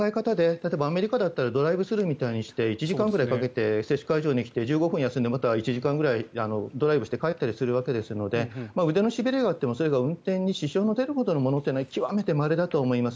例えばアメリカだったらドライブスルーみたいにして１時間くらいかけて接種会場に来て１５分くらい休んでまた１時間くらいドライブして帰ったりするわけですので腕のしびれがあってもそれが運転に支障があるほどのものは極めてまれだと思います。